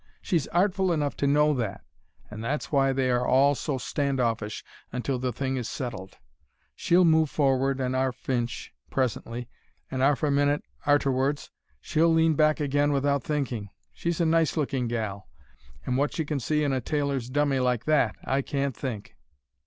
She's artful enough to know that, and that's why they are all so stand offish until the thing is settled. She'll move forward 'arf an inch presently, and 'arf a minute arterwards she'll lean back agin without thinking. She's a nice looking gal, and what she can see in a tailor's dummy like that, I can't think."